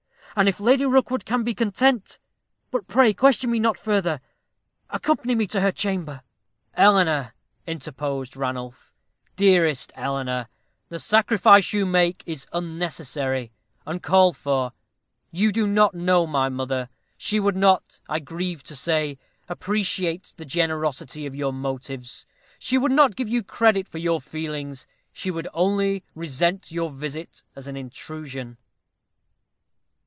And if Lady Rookwood can be content But pray question me not further accompany me to her chamber." "Eleanor," interposed Ranulph, "dearest Eleanor, the sacrifice you would make is unnecessary uncalled for. You do not know my mother. She would not, I grieve to say, appreciate the generosity of your motives. She would not give you credit for your feelings. She would only resent your visit as an intrusion."